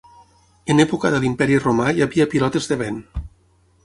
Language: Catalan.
En època de l’imperi romà hi havia pilotes de vent.